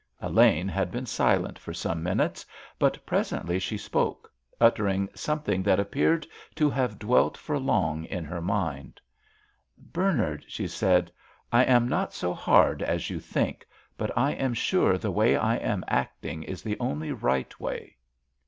Elaine had been silent for some minutes, but presently she spoke, uttering something that appeared to have dwelt for long in her mind. "Bernard," she said, "I am not so hard as you think, but I am sure the way I am acting is the only right way."